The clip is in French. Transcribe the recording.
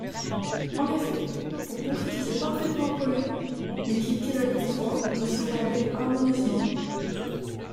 En effet, pour concrétiser parfaitement un projet, l’équipe qui la conçoit doit s’accorder harmonieusement.